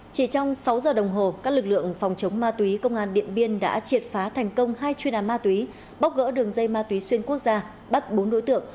các lực lượng phòng chống ma túy công an điện biên đã triệt phá thành công hai chuyên án ma túy bóc gỡ đường dây ma túy xuyên quốc gia bắt bốn đối tượng